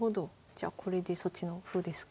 じゃあこれでそっちの歩ですか。